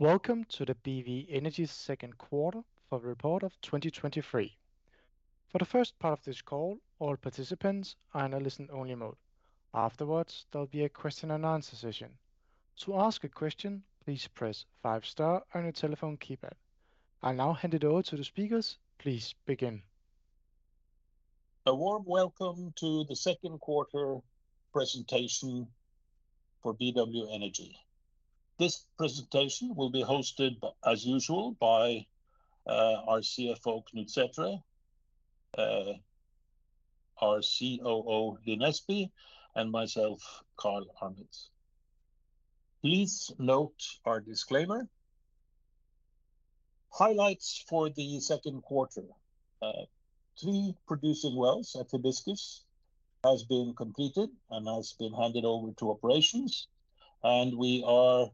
Welcome to the BW Energy Q2 for the report of 2023. For the first part of this call, all participants are in a listen-only mode. Afterwards, there'll be a question and answer session. To ask a question, please press five star on your telephone keypad. I'll now hand it over to the speakers. Please begin. A warm welcome to the Q2 presentation for BW Energy. This presentation will be hosted by, as usual, by our CFO, Knut Sætre, our COO, Lin Espey, and myself, Carl K. Arnet. Please note our disclaimer. Highlights for the Q2. 3 producing wells at Hibiscus has been completed and has been handed over to operations, and we are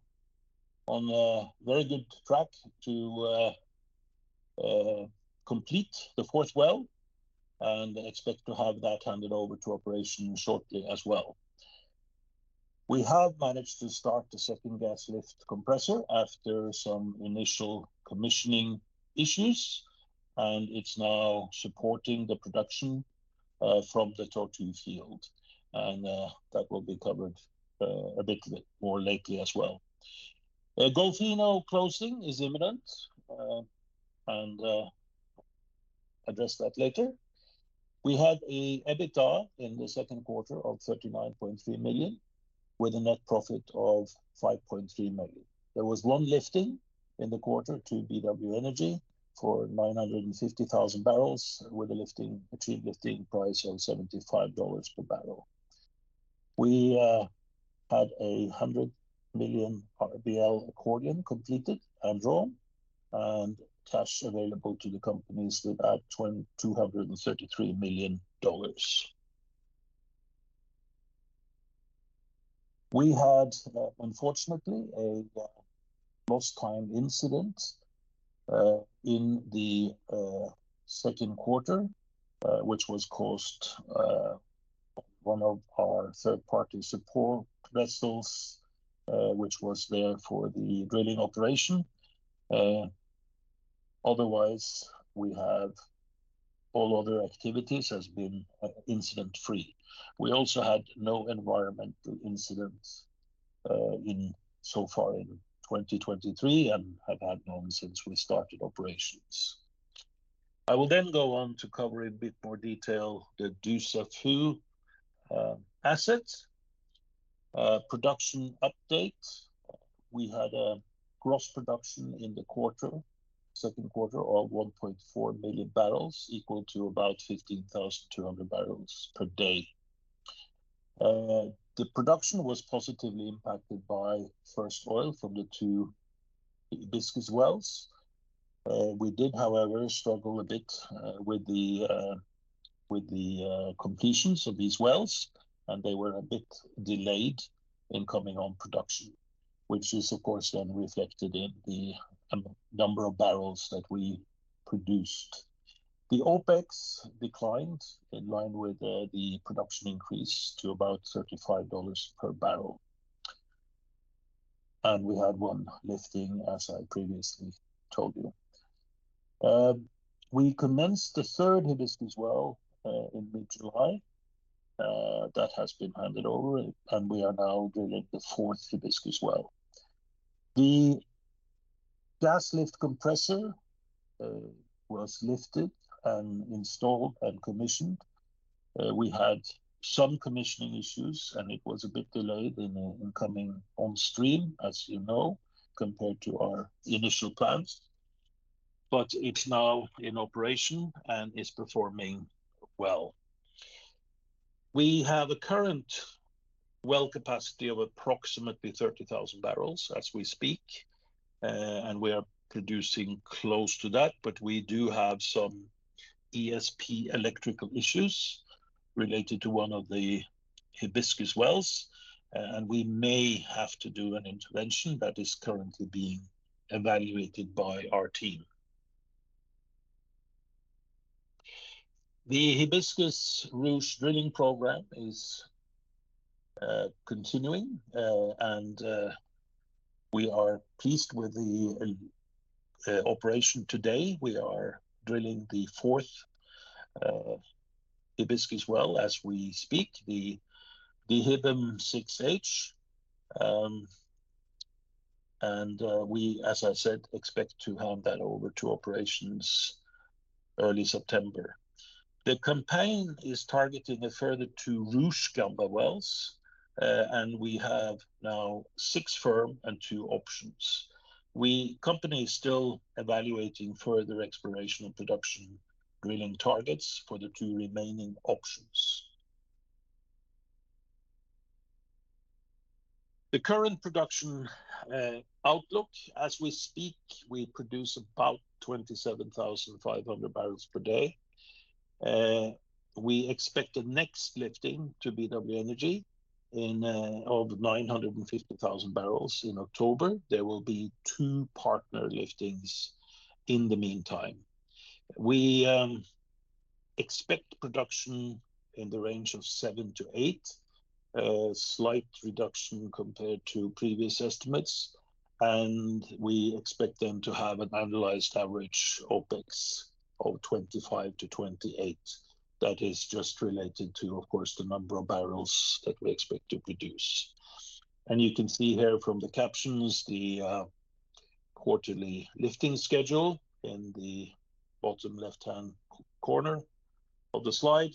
on a very good track to complete the fourth well and expect to have that handed over to operations shortly as well. We have managed to start the second gas lift compressor after some initial commissioning issues, and it's now supporting the production from the Tortue field, and that will be covered a bit more lately as well. Golfinho closing is imminent, and address that later. We had a EBITDA in the Q2 of $39.3 million, with a net profit of $5.3 million. There was one lifting in the quarter to BW Energy for 950,000 barrels, with a between lifting price of $75 per barrel. We had $100 million RBL accordion completed and drawn, and cash available to the company is about $233 million. We had, unfortunately, a lost time incident in the Q2, which was caused one of our third-party support vessels, which was there for the drilling operation. Otherwise, we have all other activities has been incident-free. We also had no environmental incidents in so far in 2023, and have had none since we started operations. I will go on to cover in a bit more detail the Dussafu asset. Production update. We had a gross production in the quarter, Q2, of 1.4 million barrels, equal to about 15,200 barrels per day. The production was positively impacted by first oil from the two Hibiscus wells. We did, however, struggle a bit with the with the completions of these wells, and they were a bit delayed in coming on production, which is, of course, then reflected in the number of barrels that we produced. The OpEx declined in line with the production increase to about $35 per barrel. We had one lifting, as I previously told you. We commenced the third Hibiscus well in mid-July, that has been handed over, and we are now drilling the fourth Hibiscus well. The gas lift compressor was lifted and installed and commissioned. We had some commissioning issues, and it was a bit delayed in coming on stream, as you know, compared to our initial plans, but it's now in operation and is performing well. We have a current well capacity of approximately 30,000 barrels as we speak, and we are producing close to that, but we do have some ESP electrical issues related to one of the Hibiscus wells, and we may have to do an intervention that is currently being evaluated by our team. The Hibiscus Ruche drilling program is continuing, and we are pleased with the operation today. We are drilling the fourth Hibiscus well as we speak, the DHIBM-6H. We, as I said, expect to hand that over to operations early September. The campaign is targeting a further 2 Ruche Gamba wells, and we have now 6 firm and 2 options. Company is still evaluating further exploration and production drilling targets for the 2 remaining options. The current production outlook as we speak, we produce about 27,500 barrels per day. We expect the next lifting to BW Energy of 950,000 barrels in October. There will be 2 partner liftings in the meantime. We expect production in the range of 7-8. Slight reduction compared to previous estimates, and we expect them to have an annualized average OpEx of $25-$28. That is just related to, of course, the number of barrels that we expect to produce. You can see here from the captions, the quarterly lifting schedule in the bottom left-hand corner of the slide,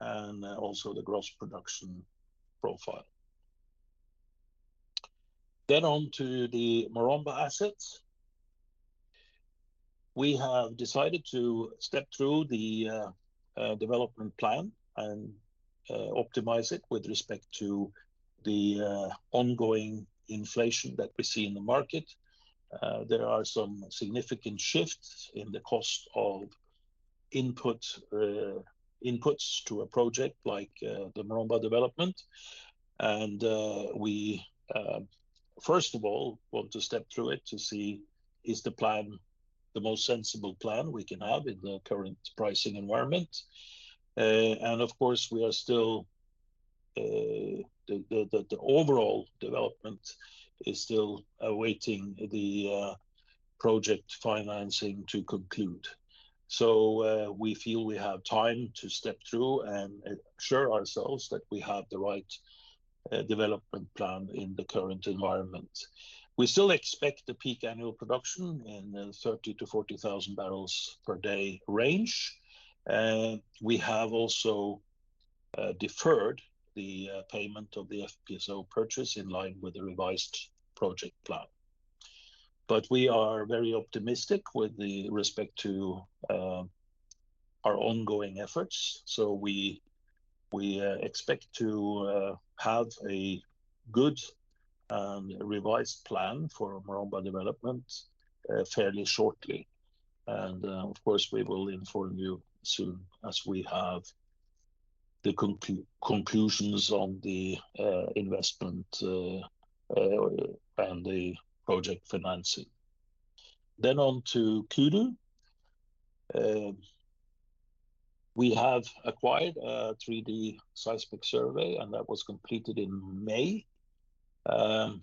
also the gross production profile. On to the Maromba assets. We have decided to step through the development plan and optimize it with respect to the ongoing inflation that we see in the market. There are some significant shifts in the cost of input, inputs to a project like the Maromba development. We, first of all, want to step through it to see, is the plan the most sensible plan we can have in the current pricing environment? Of course, we are still the, the, the overall development is still awaiting the project financing to conclude. We feel we have time to step through and ensure ourselves that we have the right development plan in the current environment. We still expect the peak annual production in the 30,000-40,000 barrels per day range. We have also deferred the payment of the FPSO purchase in line with the revised project plan. We are very optimistic with the respect to our ongoing efforts, so we, we expect to have a good revised plan for Maromba development fairly shortly. Of course, we will inform you soon as we have the conclusions on the investment and the project financing. On to Kudu. We have acquired a 3-D seismic survey, and that was completed in May. The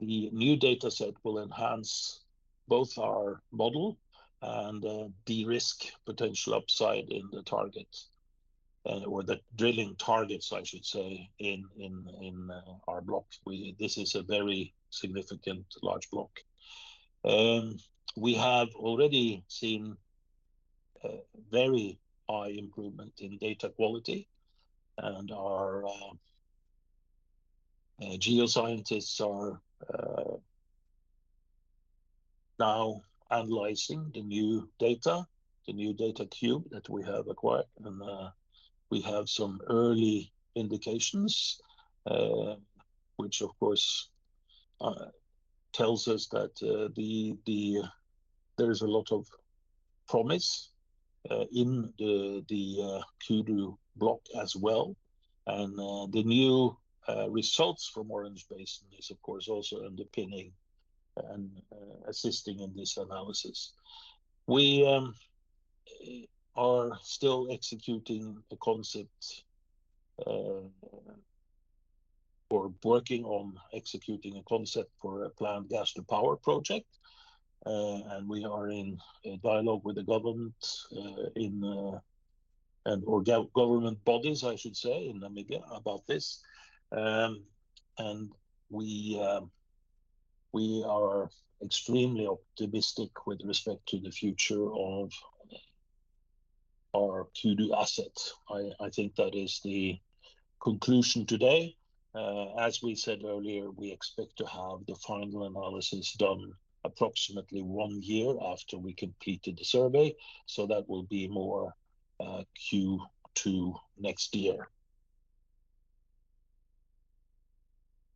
new dataset will enhance both our model and de-risk potential upside in the targets, or the drilling targets, I should say, in our block. This is a very significant large block. We have already seen a very high improvement in data quality. Our geoscientists are now analyzing the new data, the new data cube that we have acquired. We have some early indications which of course tells us that there is a lot of promise in the Kudu block as well. The new results from Orange Basin is of course also underpinning and assisting in this analysis. We are still executing a concept or working on executing a concept for a planned Gas-to-Power project. We are in a dialogue with the government, in and or government bodies, I should say, in Namibia, about this. We are extremely optimistic with respect to the future of our Kudu asset. I think that is the conclusion today. As we said earlier, we expect to have the final analysis done approximately one year after we completed the survey, so that will be more Q2 next year.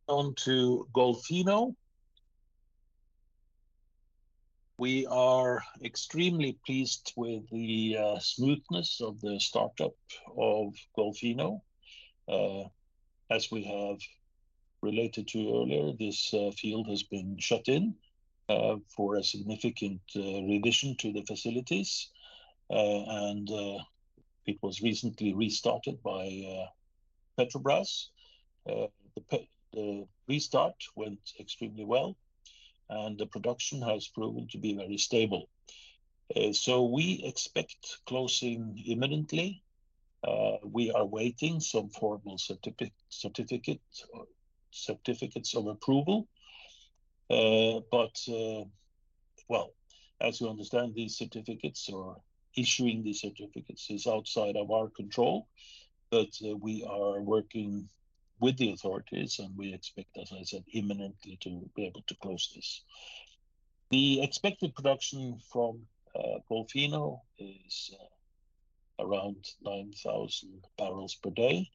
On to Golfinho. We are extremely pleased with the smoothness of the startup of Golfinho. As we have related to you earlier, this field has been shut in for a significant revision to the facilities. It was recently restarted by Petrobras. The restart went extremely well, and the production has proven to be very stable. We expect closing imminently. We are waiting some formal certificate, certificates of approval. As you understand, these certificates or issuing these certificates is outside of our control. We are working with the authorities, and we expect, as I said, imminently to be able to close this. The expected production from Golfinho is around 9,000 barrels per day.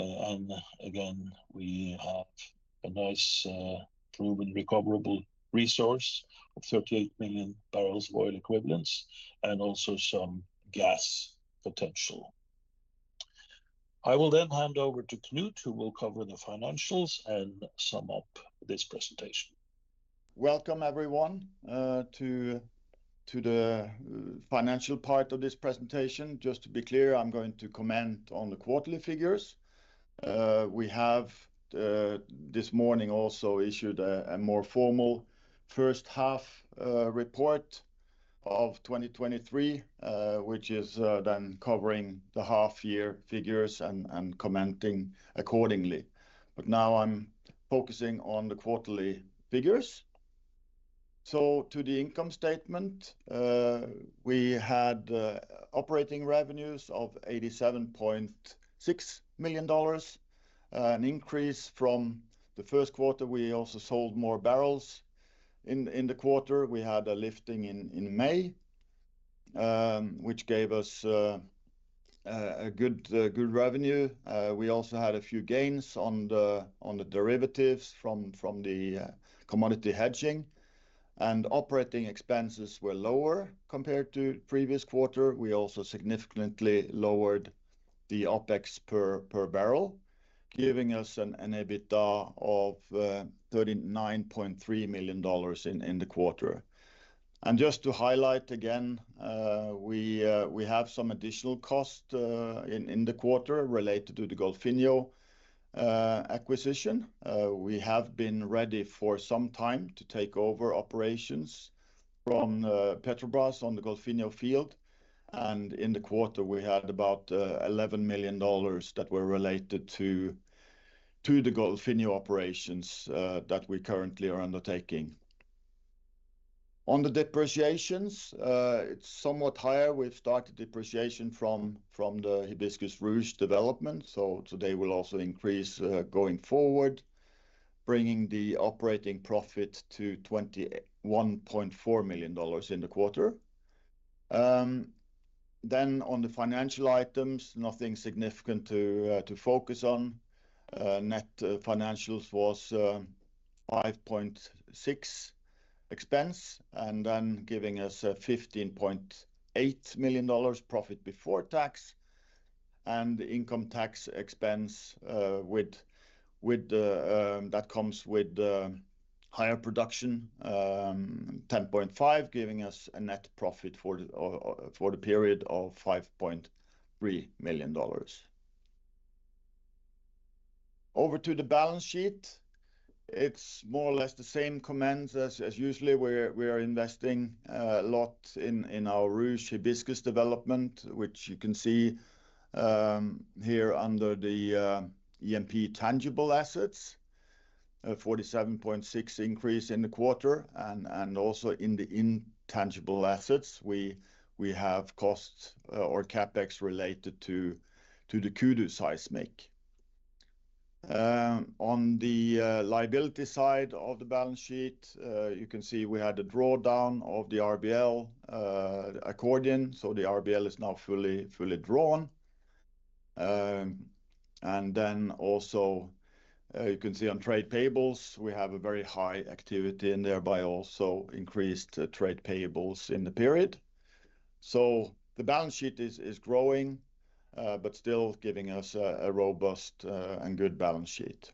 Again, we have a nice proven recoverable resource of 38 million barrels oil equivalents, and also some gas potential. I will hand over to Knut, who will cover the financials and sum up this presentation. Welcome, everyone, to, to the financial part of this presentation. Just to be clear, I'm going to comment on the quarterly figures. We have this morning also issued a more formal first half report of 2023, which is then covering the half year figures and commenting accordingly. Now I'm focusing on the quarterly figures. To the income statement, we had operating revenues of $87.6 million, an increase from the Q1. We also sold more barrels in, in the quarter. We had a lifting in, in May, which gave us a good, good revenue. We also had a few gains on the, on the derivatives from, from the commodity hedging. Operating expenses were lower compared to previous quarter. We also significantly lowered the OpEx per, per barrel, giving us an EBITDA of $39.3 million in the quarter. Just to highlight again, we have some additional costs in the quarter related to the Golfinho acquisition. We have been ready for some time to take over operations from Petrobras on the Golfinho field, and in the quarter, we had about $11 million that were related to the Golfinho operations that we currently are undertaking. On the depreciations, it's somewhat higher. We've started depreciation from, from the Hibiscus Ruche development, so they will also increase going forward, bringing the operating profit to $21.4 million in the quarter. On the financial items, nothing significant to focus on. Net financials was $5.6 expense, then giving us $15.8 million profit before tax. The income tax expense that comes with higher production, $10.5 million, giving us a net profit for the period of $5.3 million. Over to the balance sheet, it's more or less the same comments as, as usually we're, we are investing a lot in, in our Ruche Hibiscus development, which you can see here under the E&P tangible assets, $47.6 million increase in the quarter. Also in the intangible assets, we, we have costs or CapEx related to the Kudu seismic. On the liability side of the balance sheet, you can see we had a drawdown of the RBL accordion. The RBL is now fully, fully drawn. You can see on trade payables, we have a very high activity and thereby also increased trade payables in the period. The balance sheet is growing, but still giving us a robust and good balance sheet.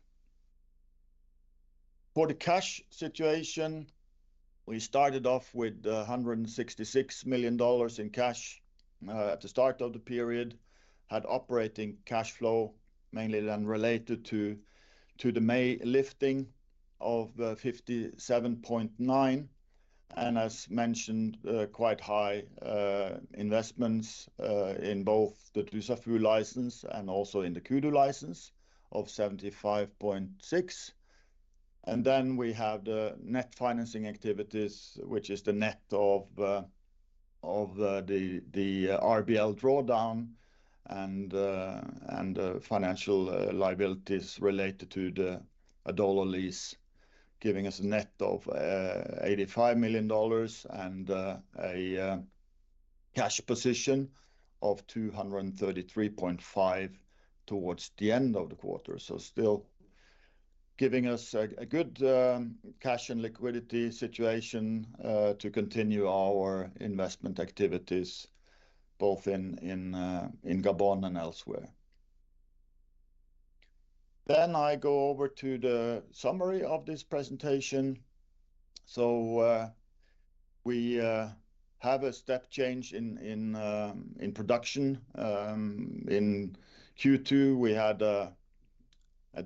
For the cash situation, we started off with $166 million in cash at the start of the period. Had operating cash flow, mainly then related to the May lifting of $57.9, and as mentioned, quite high investments in both the Dussafu license and also in the Kudu license of $75.6. We have the net financing activities, which is the net of the RBL drawdown and financial liabilities related to the Adolo Release, giving us a net of $85 million and a cash position of $233.5 towards the end of the quarter. Still giving us a good cash and liquidity situation to continue our investment activities both in Gabon and elsewhere. I go over to the summary of this presentation. We have a step change in production. In Q2, we had a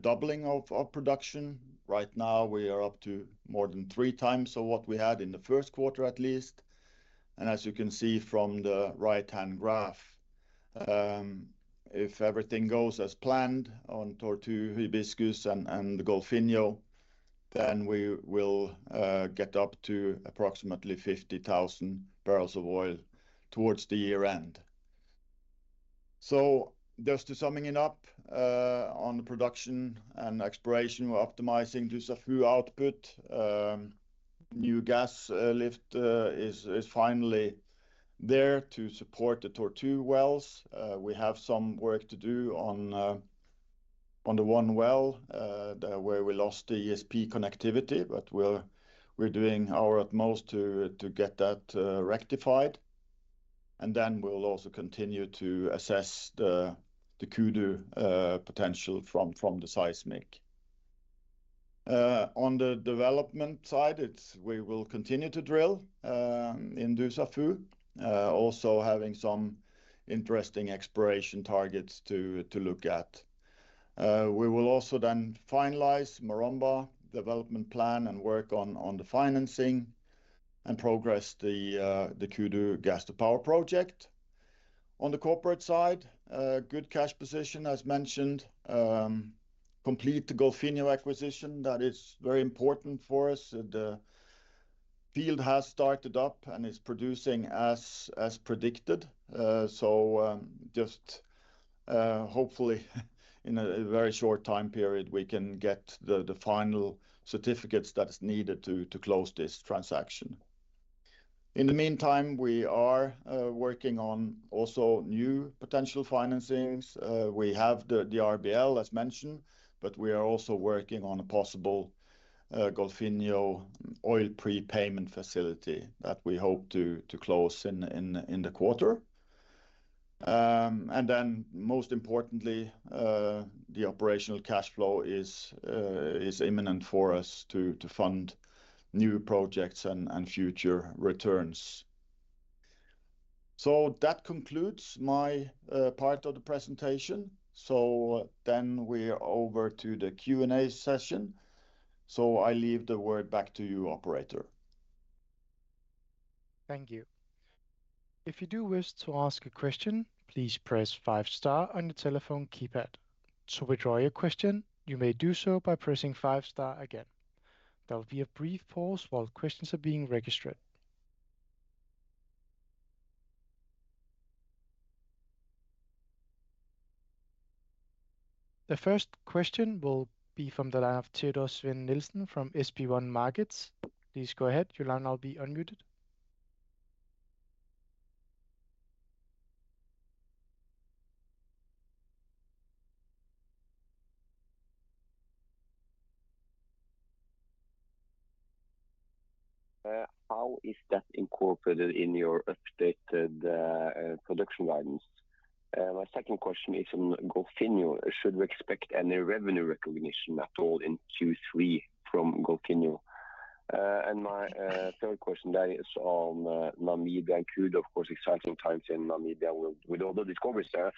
doubling of production. Right now, we are up to more than 3 times of what we had in the Q1, at least. As you can see from the right-hand graph, if everything goes as planned on Tortue, Hibiscus and Golfinho, then we will get up to approximately 50,000 barrels of oil towards the year-end. Just to summing it up, on the production and exploration, we're optimizing Dussafu output. New gas lift is finally there to support the Tortue wells. We have some work to do on the one well, the way we lost the ESP connectivity, but we're doing our utmost to get that rectified. Then we'll also continue to assess the Kudu potential from the seismic. On the development side, we will continue to drill in Dussafu, also having some interesting exploration targets to look at. We will also then finalize Maromba development plan and work on, on the financing, and progress the Kudu Gas-to-Power project. On the corporate side, a good cash position, as mentioned. Complete the Golfinho acquisition, that is very important for us. The field has started up and is producing as, as predicted. Hopefully, in a very short time period, we can get the final certificates that is needed to close this transaction. In the meantime, we are working on also new potential financings. We have the RBL, as mentioned. We are also working on a possible Golfinho oil prepayment facility that we hope to close in the quarter. Most importantly, the operational cash flow is imminent for us to fund new projects and future returns. That concludes my part of the presentation. We are over to the Q&A session, I leave the word back to you, operator. Thank you. If you do wish to ask a question, please press 5 star on your telephone keypad. To withdraw your question, you may do so by pressing 5 star again. There will be a brief pause while questions are being registered. The first question will be from the line of Teodor Sveen-Nilsen from SB1 Markets. Please go ahead. Your line now will be unmuted. How is that incorporated in your updated production guidance? My second question is on Golfinho. Should we expect any revenue recognition at all in Q3 from Golfinho? My third question, that is on Namibia and Kudu, of course, exciting times in Namibia with all the discoveries there.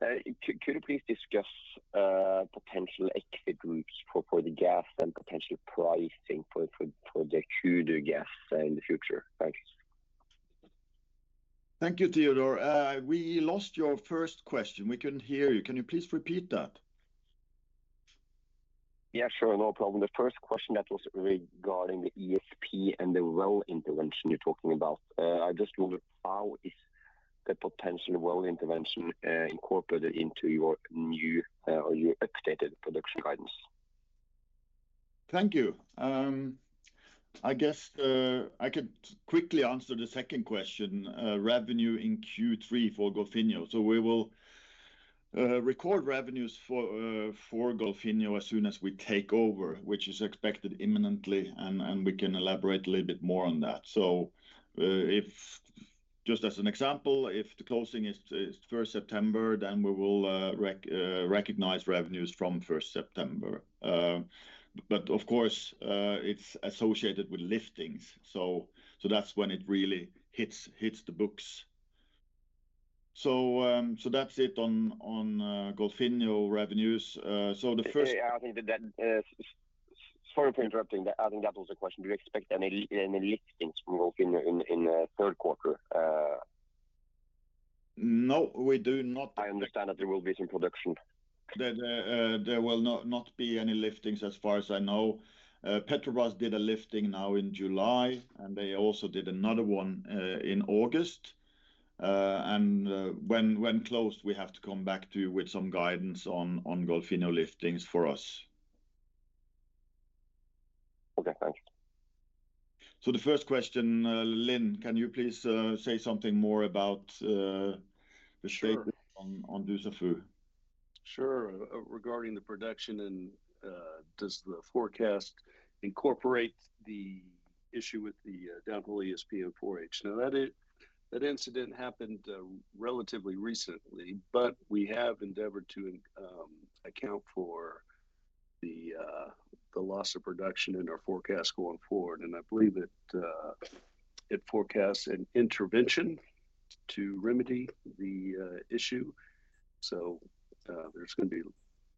Could you please discuss potential exit groups for the gas and potential pricing for the Kudu gas in the future? Thanks. Thank you, Theodore. We lost your first question. We couldn't hear you. Can you please repeat that? Yeah, sure. No problem. The first question that was regarding the ESP and the well intervention you're talking about, I just wondered, how is the potential well intervention, incorporated into your new, or your updated production guidance? Thank you. I guess I could quickly answer the second question, revenue in Q3 for Golfinho. We will record revenues for Golfinho as soon as we take over, which is expected imminently, and we can elaborate a little bit more on that. If just as an example, if the closing is first September, then we will recognize revenues from first September. But of course, it's associated with liftings, so that's when it really hits the books. That's it on Golfinho revenues. Yeah, I think that that, sorry for interrupting, but I think that was the question. Do you expect any, any liftings from Golfinho in, in the Q3? No, we do not. I understand that there will be some production. That, there will not, not be any liftings as far as I know. Petrobras did a lifting now in July, and they also did another one, in August. When, when closed, we have to come back to you with some guidance on, on Golfinho liftings for us. Okay, thank you. The first question, Lin, can you please say something more about? Sure on, on Dussafu? Sure. Regarding the production, does the forecast incorporate the issue with the downhole ESP in 4H? That incident happened relatively recently, we have endeavored to account for the loss of production in our forecast going forward. I believe it forecasts an intervention to remedy the issue. There's gonna be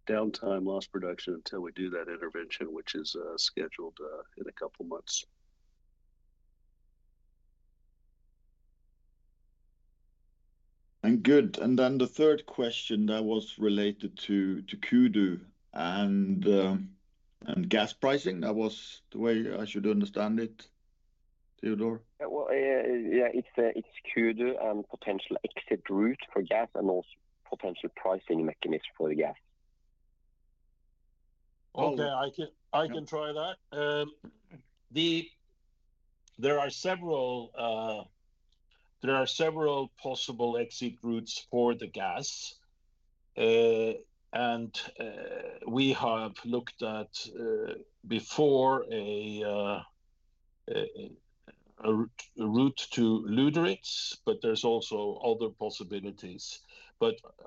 downtime loss production until we do that intervention, which is scheduled in a couple of months. Good. Then the third question that was related to Kudu and gas pricing, that was the way I should understand it, Theodore? Yeah, well, yeah, it's, it's Kudu, potential exit route for gas and also potential pricing mechanism for the gas. Okay, I can, I can try that. There are several, there are several possible exit routes for the gas. We have looked at before a route to Lüderitz, but there's also other possibilities.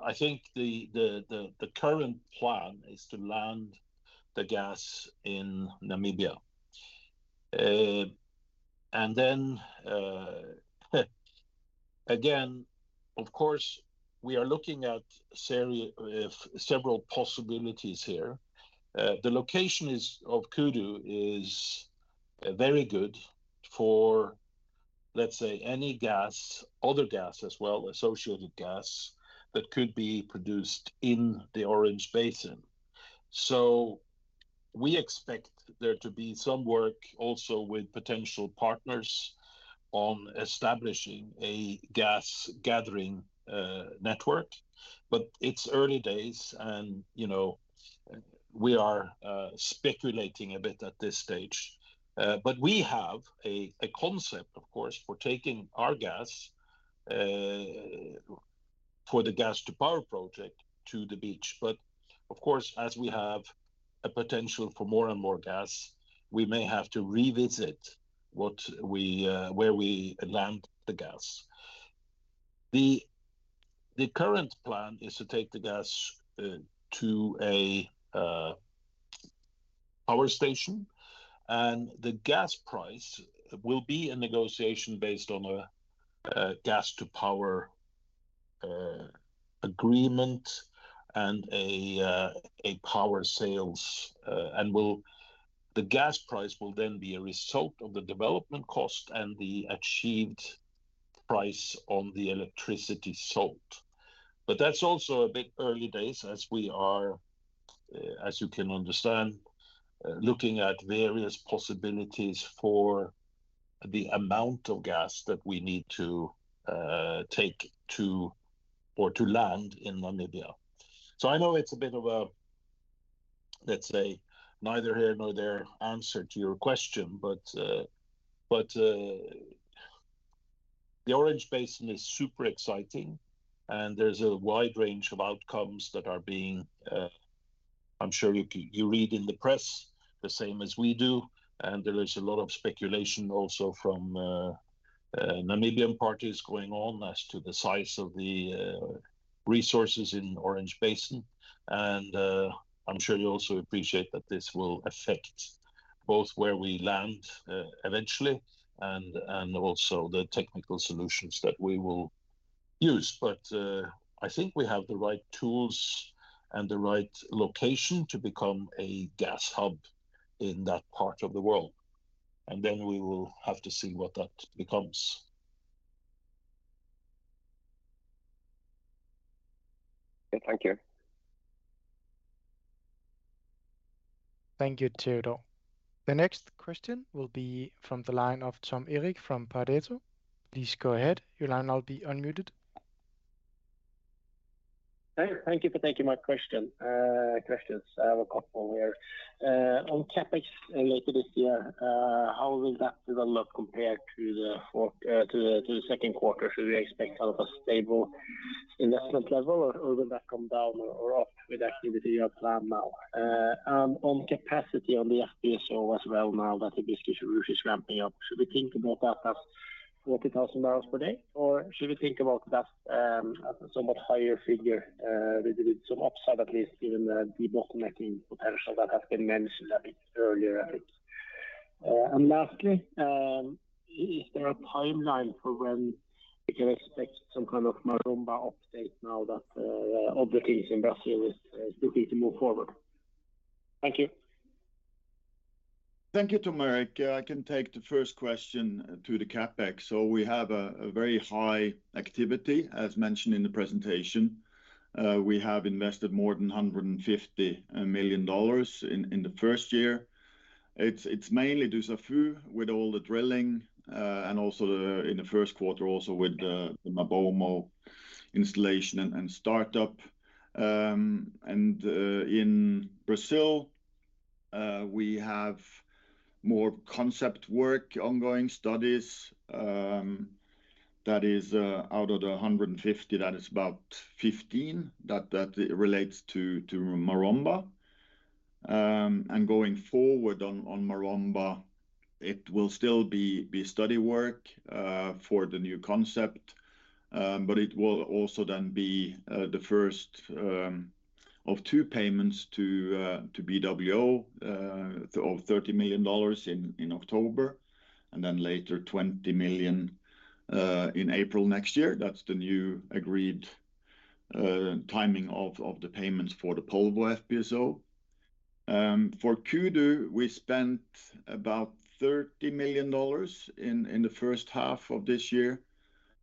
I think the, the, the, the current plan is to land the gas in Namibia. Then, again, of course, we are looking at several possibilities here. The location is, of Kudu is, very good for, let's say, any gas, other gas as well, associated gas, that could be produced in the Orange Basin. We expect there to be some work also with potential partners on establishing a gas-gathering network. It's early days, and, you know, we are speculating a bit at this stage. We have a concept, of course, for taking our gas for the Gas-to-Power project to the beach. Of course, as we have a potential for more and more gas, we may have to revisit what we where we land the gas. The current plan is to take the gas to a power station, the gas price will be a negotiation based on a Gas-to-Power agreement and a power sales. The gas price will then be a result of the development cost and the achieved price on the electricity sold. That's also a bit early days, as we are as you can understand looking at various possibilities for the amount of gas that we need to take to or to land in Namibia. I know it's a bit of a, let's say, neither here nor there answer to your question, but, but, the Orange Basin is super exciting, and there's a wide range of outcomes that are being. I'm sure you, you read in the press the same as we do, and there is a lot of speculation also from, Namibian parties going on as to the size of the, resources in Orange Basin. I'm sure you also appreciate that this will affect both where we land, eventually, and, and also the technical solutions that we will use. I think we have the right tools and the right location to become a gas hub in that part of the world, and then we will have to see what that becomes. Okay, thank you. Thank you, Theodor. The next question will be from the line of Tom Erik from Pareto. Please go ahead. Your line will now be unmuted. Hey, thank you for taking my question, questions. I have a couple here. On CapEx related this year, how will that develop compared to the fourth, to the, to the Q2? Should we expect kind of a stable investment level, or, or will that come down or, or up with activity you have planned now? On capacity on the FPSO as well now that the business is ramping up, should we think about that as 40,000 barrels per day, or should we think about that as a somewhat higher figure, with, with some upside, at least given the bottlenecking potential that has been mentioned a bit earlier, I think? Lastly, is there a timeline for when we can expect some kind of Maromba update now that all the things in Brazil is, is looking to move forward? Thank you. Thank you, Tom Erik. I can take the first question to the CapEx. We have a very high activity, as mentioned in the presentation. We have invested more than $150 million in the first year. It's mainly Dussafu with all the drilling, and also in the Q1, also with the MaBoMo installation and startup. In Brazil, we have more concept work, ongoing studies. That is out of the 150, that is about 15, that relates to Maromba. Going forward on Maromba, it will still be study work for the new concept, but it will also then be the first of 2 payments to BWO of $30 million in October, and then later $20 million in April next year. That's the new agreed timing of the payments for the FPSO Polvo. For Kudu, we spent about $30 million in the first half of this year.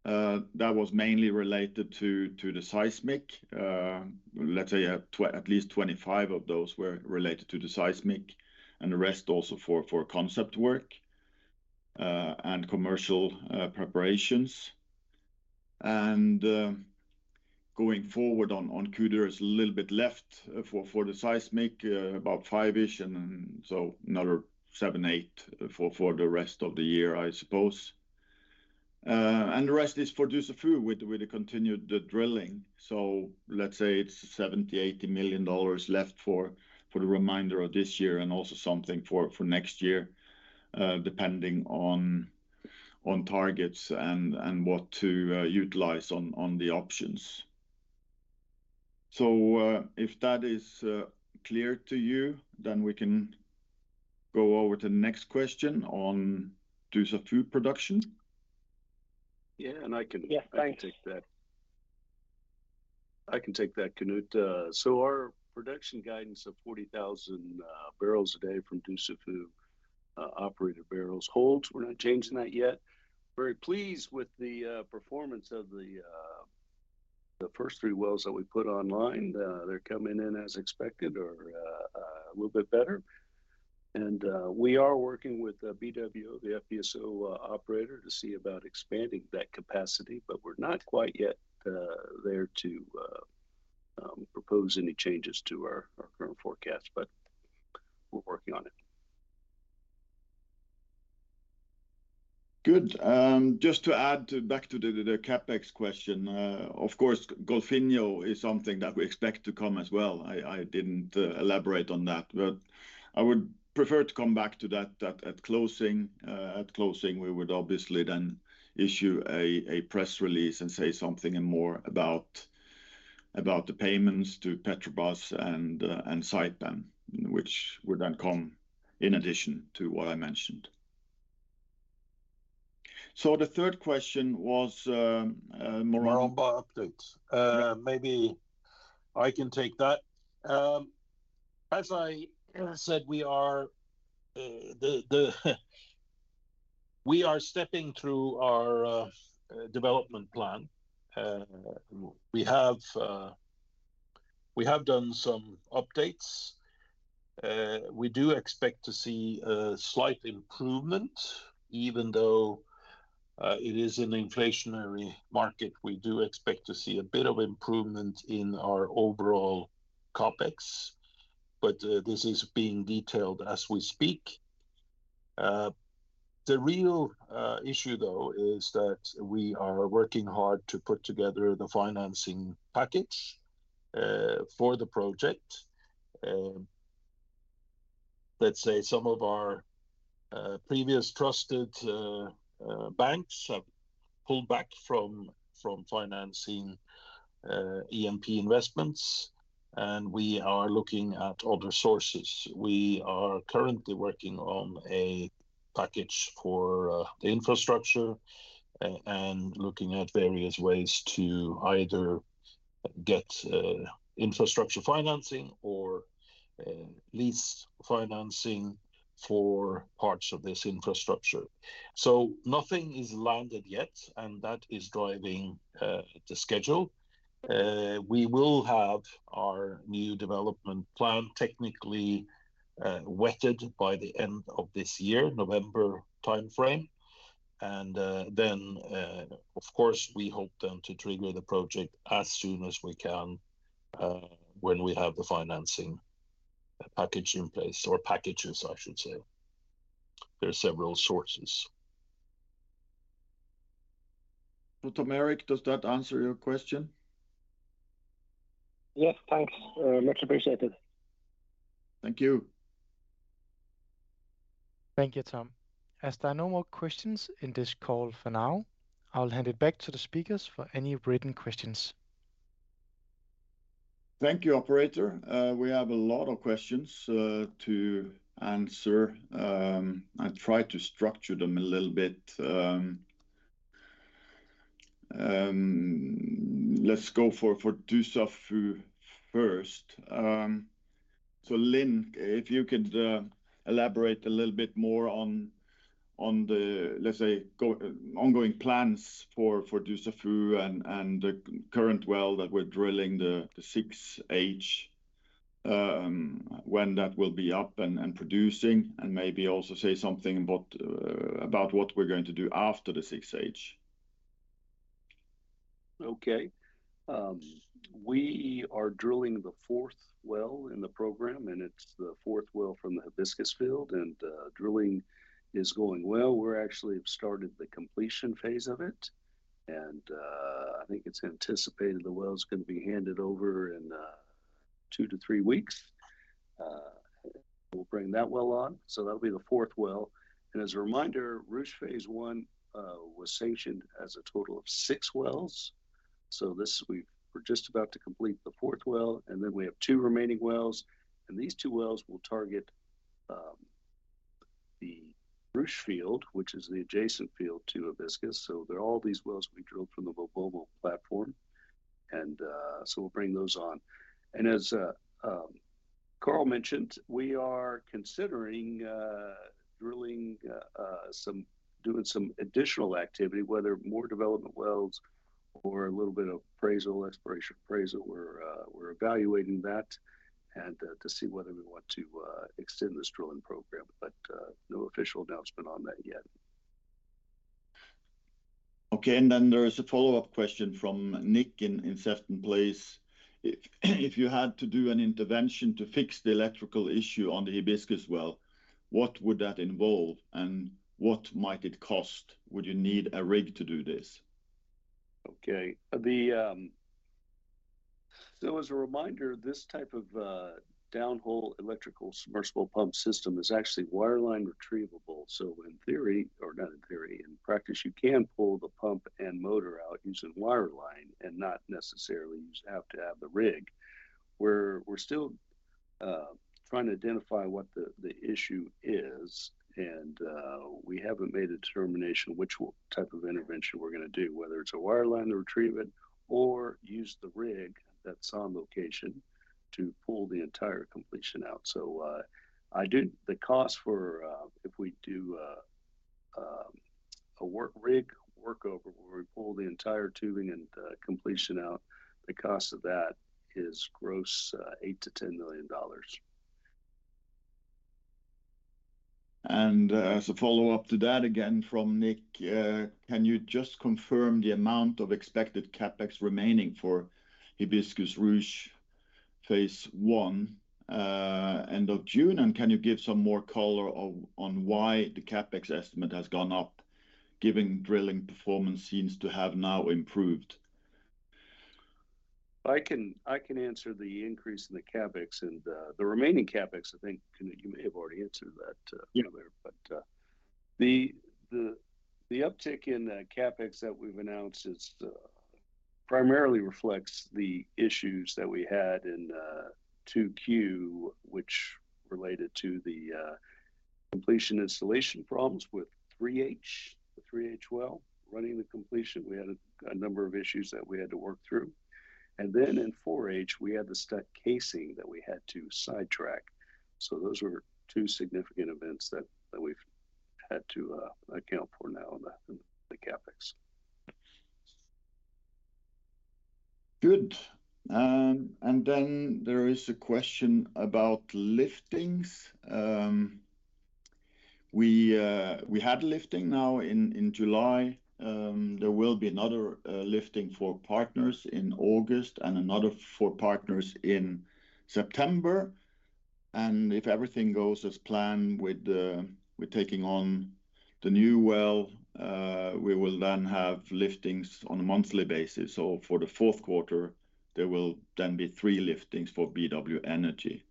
That was mainly related to the seismic. Let's say, at least 25 of those were related to the seismic, and the rest also for concept work and commercial preparations. Going forward on Kudu, there's a little bit left for for the seismic, about five-ish, and then so another 7, 8 for for the rest of the year, I suppose. The rest is for Dussafu with the, with the continued the drilling. Let's say it's $70 million-$80 million left for for the remainder of this year, and also something for for next year, depending on on targets and and what to utilize on on the options. If that is clear to you, then we can go over to the next question on Dussafu production. Yeah. Yeah, thanks. I can take that. I can take that, Knut. Our production guidance of 40,000 barrels a day from Dussafu operator barrels holds. We're not changing that yet. Very pleased with the performance of the first three wells that we put online. They're coming in as expected or a little bit better. We are working with BWO, the FPSO operator, to see about expanding that capacity, but we're not quite yet there to propose any changes to our current forecast, but we're working on it. Good. Just to add to, back to the, the CapEx question, of course, Golfinho is something that we expect to come as well. I, I didn't elaborate on that, but I would prefer to come back to that, that at closing. At closing, we would obviously then issue a, a press release and say something and more about, about the payments to Petrobras and Citibank, which would then come in addition to what I mentioned. The third question was, Maromba- Maromba updates. Maybe I can take that. As I said, we are stepping through our development plan. We have done some updates. We do expect to see a slight improvement. Even though it is an inflationary market, we do expect to see a bit of improvement in our overall CapEx. This is being detailed as we speak. The real issue though, is that we are working hard to put together the financing package for the project. Let's say some of our previous trusted banks have pulled back from financing E&P investments. We are looking at other sources. We are currently working on a package for the infrastructure and looking at various ways to either get infrastructure financing or lease financing for parts of this infrastructure. Nothing is landed yet, and that is driving the schedule. We will have our new development plan technically vetted by the end of this year, November timeframe. Then, of course, we hope then to trigger the project as soon as we can, when we have the financing package in place, or packages, I should say. There are several sources. Tom Erik, does that answer your question? Yes, thanks. Much appreciated. Thank you. Thank you, Tom. As there are no more questions in this call for now, I'll hand it back to the speakers for any written questions. Thank you, operator. We have a lot of questions to answer. I tried to structure them a little bit. Let's go for, for Dussafu first. Link, if you could elaborate a little bit more on, on the, let's say, go- ongoing plans for, for Dussafu and, and the current well that we're drilling, the, the 6H, when that will be up and, and producing, and maybe also say something about about what we're going to do after the 6H. Okay. We are drilling the 4th well in the program, it's the 4th well from the Hibiscus field, drilling is going well. We're actually have started the completion phase of it, I think it's anticipated the well's gonna be handed over in 2-3 weeks. We'll bring that well on, that'll be the 4th well. As a reminder, Ruche Phase 1 was sanctioned as a total of 6 wells. This week, we're just about to complete the 4th well, then we have 2 remaining wells, these 2 wells will target the Ruche field, which is the adjacent field to Hibiscus. They're all these wells being drilled from the MaBoMo platform, we'll bring those on. As Carl mentioned, we are considering drilling, doing some additional activity, whether more development wells or a little bit of appraisal, exploration appraisal. We're evaluating that and to see whether we want to extend this drilling program, but no official announcement on that yet. Okay. Then there is a follow-up question from Nick in certain place. If you had to do an intervention to fix the electrical issue on the Hibiscus well, what would that involve, and what might it cost? Would you need a rig to do this? Okay. The, as a reminder, this type of downhole electrical submersible pump system is actually wireline retrievable. In theory, or not in theory, in practice, you can pull the pump and motor out using wireline and not necessarily you have to have the rig. We're, we're still trying to identify what the, the issue is, and we haven't made a determination which type of intervention we're gonna do, whether it's a wireline retrieval or use the rig that's on location to pull the entire completion out. I do... The cost for, if we do a work rig, workover, where we pull the entire tubing and completion out, the cost of that is gross, $8 million-$10 million. As a follow-up to that, again, from Nick: Can you just confirm the amount of expected CapEx remaining for Hibiscus-Ruche Phase One end of June? Can you give some more color on, on why the CapEx estimate has gone up, given drilling performance seems to have now improved? I can, I can answer the increase in the CapEx and, the remaining CapEx, I think, you may have already answered that. Yeah The, the, the uptick in the CapEx that we've announced is primarily reflects the issues that we had in 2Q, which related to the completion installation problems with 3H, the 3H well. Running the completion, we had a number of issues that we had to work through. In 4H, we had the stuck casing that we had to sidetrack. Those were 2 significant events that, that we've had to account for now in the CapEx. Good. Then there is a question about liftings. We had lifting now in, in July. There will be another lifting for partners in August and another for partners in September. If everything goes as planned with taking on the new well, we will then have liftings on a monthly basis. For the Q4, there will then be three liftings for BW Energy.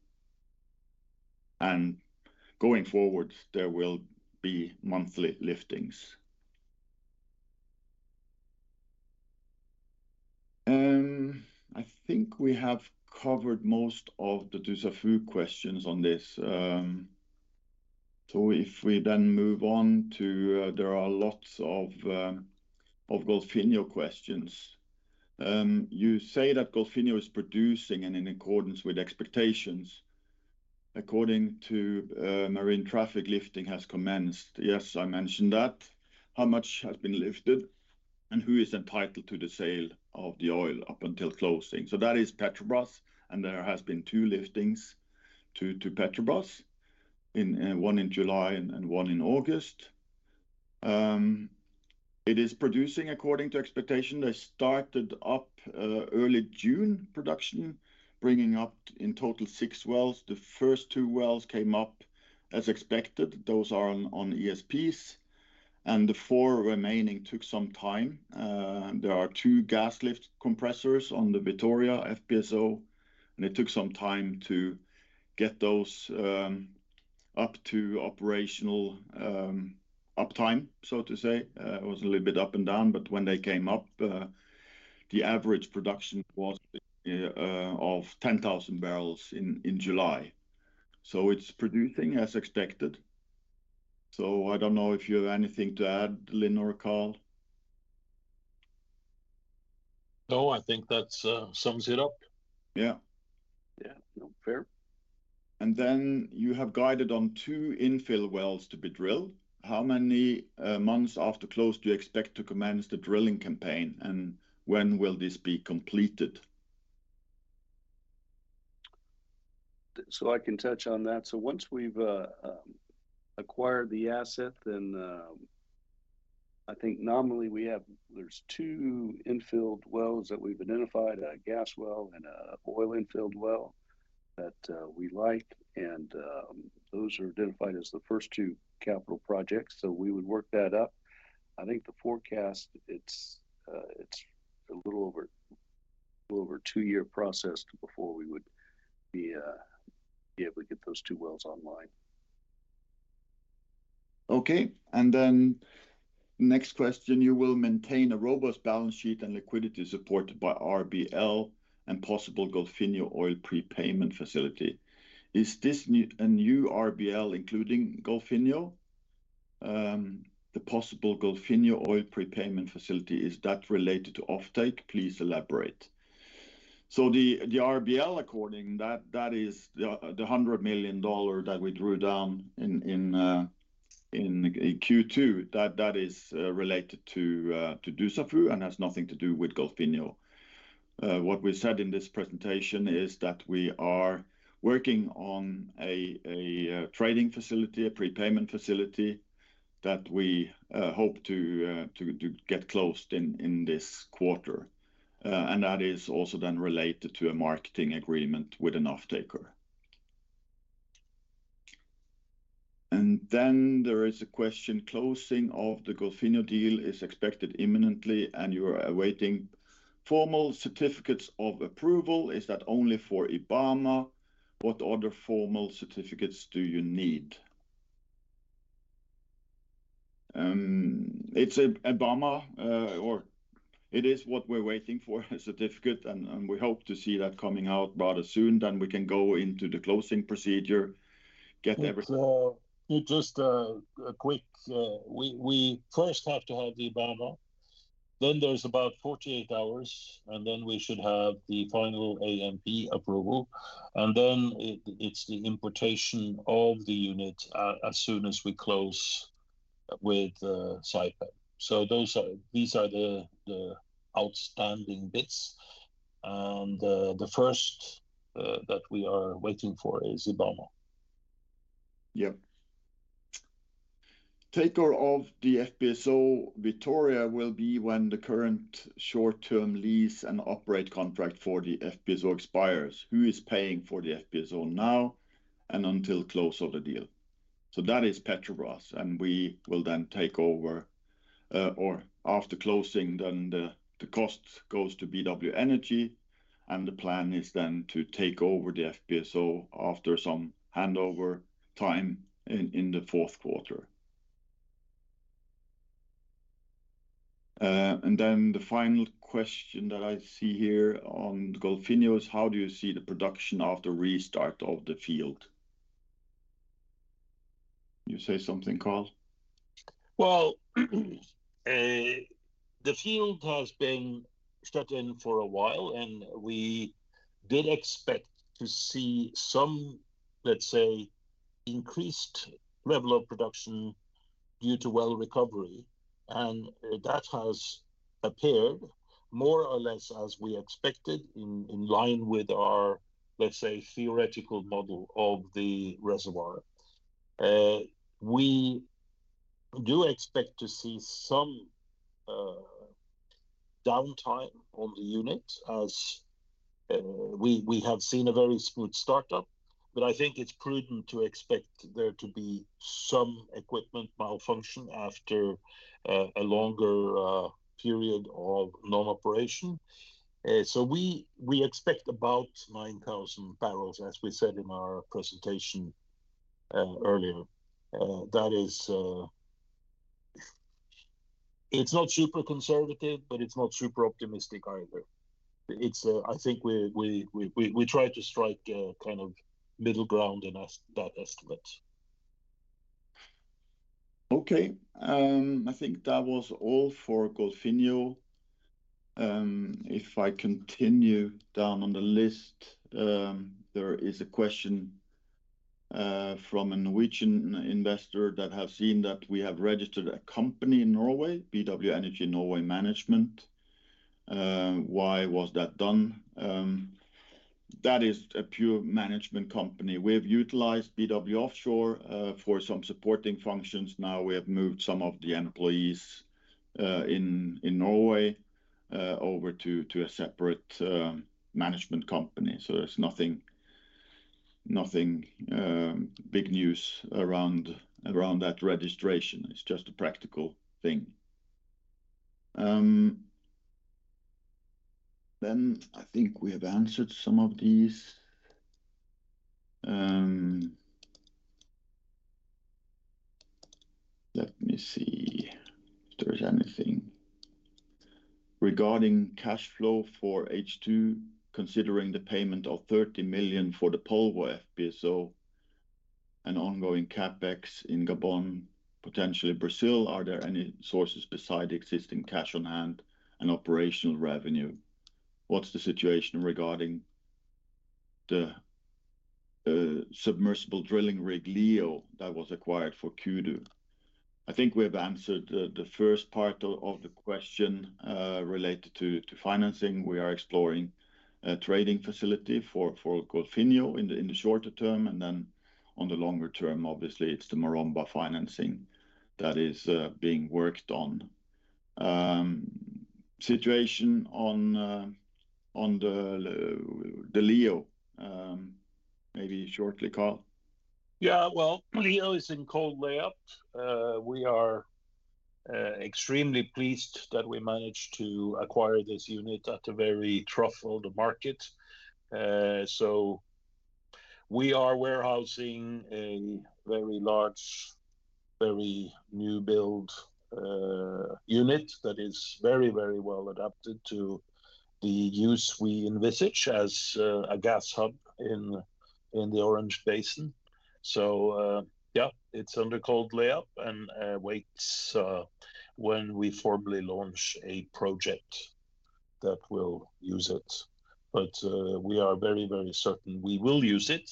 Going forward, there will be monthly liftings. I think we have covered most of the Dussafu questions on this. If we then move on to there are lots of Golfinho questions. You say that Golfinho is producing and in accordance with expectations. According to marine traffic, lifting has commenced. Yes, I mentioned that. How much has been lifted, and who is entitled to the sale of the oil up until closing? That is Petrobras, and there has been 2 liftings to Petrobras, in 1 in July and 1 in August. It is producing according to expectation. They started up early June, production, bringing up in total 6 wells. The first 2 wells came up as expected. Those are on ESPs, and the 4 remaining took some time. There are 2 gas lift compressors on the Victoria FPSO, and it took some time to get those up to operational uptime, so to say. It was a little bit up and down, but when they came up, the average production was of 10,000 barrels in July. It's producing as expected. I don't know if you have anything to add, Lin or Carl? No, I think that's, sums it up. Yeah. Yeah. No, fair. Then you have guided on 2 infill wells to be drilled. How many months after close do you expect to commence the drilling campaign, and when will this be completed? I can touch on that. Once we've acquired the asset, then, I think nominally we have... There's two infilled wells that we've identified, a gas well and an oil infilled well, that we like, and those are identified as the first two capital projects. We would work that up. I think the forecast, it's, it's a little over, little over two-year process before we would be able to get those two wells online. Okay, next question: You will maintain a robust balance sheet and liquidity supported by RBL and possible Golfinho oil prepayment facility. Is this a new RBL, including Golfinho? The possible Golfinho oil prepayment facility, is that related to offtake? Please elaborate. The RBL accordion, that is the $100 million that we drew down in Q2. That is related to Dussafu and has nothing to do with Golfinho. What we said in this presentation is that we are working on a trading facility, a prepayment facility, that we hope to get closed in this quarter. That is also then related to a marketing agreement with an offtaker. There is a question: closing of the Golfinho deal is expected imminently, and you are awaiting formal certificates of approval. Is that only for IBAMA? What other formal certificates do you need? It's an IBAMA, or it is what we're waiting for, a certificate, and we hope to see that coming out rather soon, then we can go into the closing procedure, get everything- Just a quick... We first have to have the IBAMA, then there's about 48 hours, and then we should have the final ANP approval, and then it, it's the importation of the unit, as soon as we close with Saipem. These are the, the outstanding bits, and the first that we are waiting for is IBAMA. Yep. Taker of the FPSO Cidade de Vitoria will be when the current short-term lease and operate contract for the FPSO expires. Who is paying for the FPSO now and until close of the deal? That is Petrobras, and we will then take over, or after closing, then the, the cost goes to BW Energy, and the plan is then to take over the FPSO after some handover time in, in the Q4. The final question that I see here on Golfinho is, how do you see the production after restart of the field? You say something, Carl? Well, the field has been shut in for a while, and we did expect to see some, let's say, increased level of production due to well recovery, and that has appeared more or less as we expected in, in line with our, let's say, theoretical model of the reservoir. We do expect to see some downtime on the unit, as we, we have seen a very smooth startup, but I think it's prudent to expect there to be some equipment malfunction after a longer period of non-operation. We, we expect about 9,000 barrels, as we said in our presentation earlier. That is, It's not super conservative, but it's not super optimistic either. It's, I think we, we, we, we, we try to strike a kind of middle ground in us, that estimate. Okay, I think that was all for Golfinho. If I continue down on the list, there is a question from a Norwegian investor that have seen that we have registered a company in Norway, BW Energy Norway Management. Why was that done? That is a pure management company. We have utilized BW Offshore for some supporting functions. Now, we have moved some of the employees in Norway, over to a separate management company. There's nothing, nothing big news around, around that registration. It's just a practical thing. I think we have answered some of these. Let me see if there's anything. Regarding cash flow for H2, considering the payment of $30 million for the FPSO Polvo and ongoing CapEx in Gabon, potentially Brazil, are there any sources beside the existing cash on hand and operational revenue? What's the situation regarding the submersible drilling rig, Leo, that was acquired for Kudu? I think we have answered the first part of the question related to financing. We are exploring a trading facility for Golfinho in the shorter term, and then on the longer term, obviously, it's the Maromba financing that is being worked on. Situation on the Leo, maybe shortly, Carl? Yeah, well, Leo is in cold layout. We are extremely pleased that we managed to acquire this unit at a very trough of the market. We are warehousing a very large, very new build unit that is very, very well adapted to the use we envisage as a gas hub in the Orange Basin. Yeah, it's under cold layout and waits when we formally launch a project that will use it. We are very, very certain we will use it,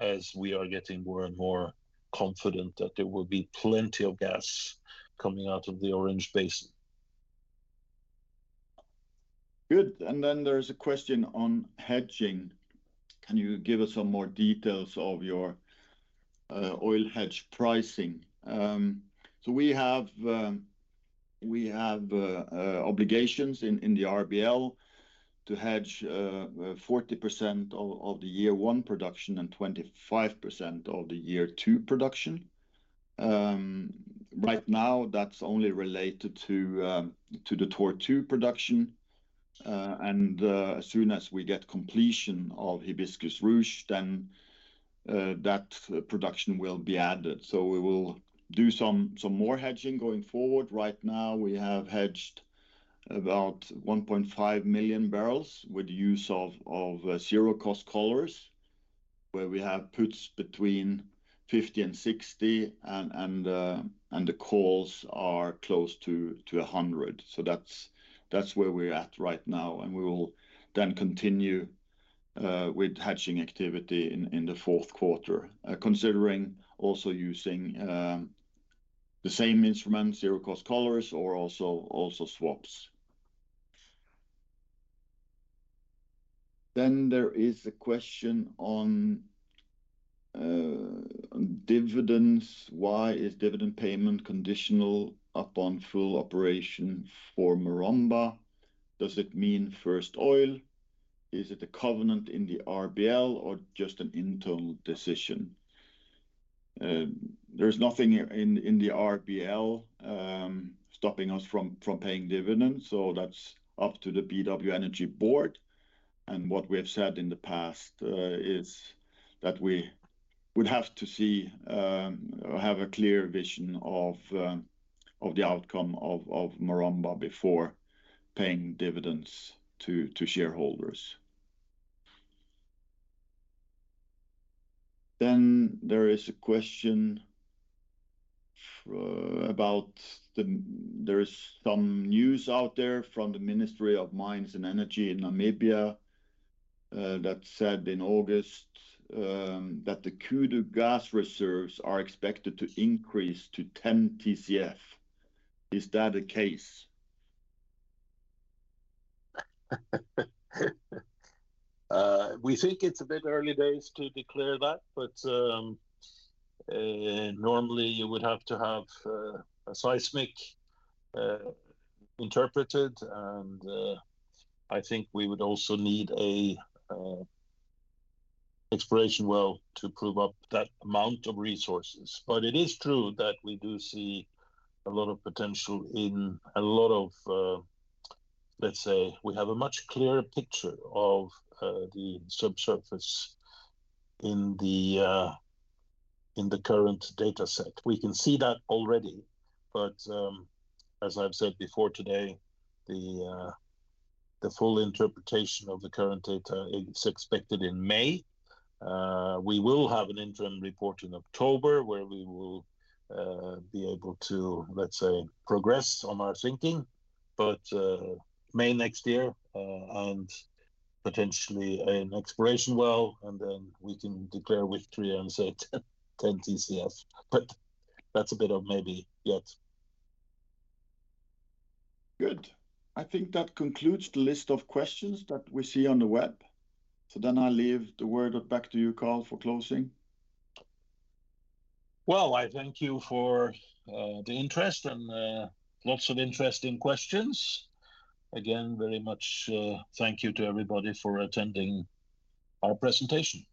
as we are getting more and more confident that there will be plenty of gas coming out of the Orange Basin. Good. Then there is a question on hedging: "Can you give us some more details of your oil hedge pricing?" We have obligations in the RBL to hedge 40% of the year one production and 25% of the year two production. Right now, that's only related to the Tortue production. As soon as we get completion of Hibiscus Ruche, then that production will be added. We will do some, some more hedging going forward. Right now, we have hedged about 1.5 million barrels with use of zero-cost collars, where we have puts between $50 and $60, and the calls are close to $100. That's, that's where we're at right now, and we will then continue with hedging activity in the Q4. Considering also using the same instruments, zero-cost collars or also, also swaps. There is a question on dividends: "Why is dividend payment conditional upon full operation for Maromba? Does it mean first oil? Is it a covenant in the RBL or just an internal decision?" There's nothing in the RBL stopping us from paying dividends, so that's up to the BW Energy board. What we have said in the past is that we would have to see or have a clear vision of the outcome of Maromba before paying dividends to shareholders. There is a question about the... There is some news out there from the Ministry of Mines and Energy in Namibia, that said in August, that the Kudu gas reserves are expected to increase to 10 TCF. Is that the case? We think it's a bit early days to declare that, normally you would have to have a seismic interpreted. I think we would also need an exploration well to prove up that amount of resources. It is true that we do see a lot of potential in a lot of, we have a much clearer picture of the subsurface in the current data set. We can see that already, but as I've said before today, the full interpretation of the current data is expected in May. We will have an interim report in October, where we will be able to, let's say, progress on our thinking. May next year, and potentially an exploration well, and then we can declare with triumph and say 10, 10 TCF. That's a bit of maybe yet. Good. I think that concludes the list of questions that we see on the web. I leave the word up back to you, Carl, for closing. Well, I thank you for the interest and lots of interesting questions. Again, very much thank you to everybody for attending our presentation.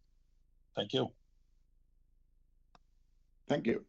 Thank you. Thank you.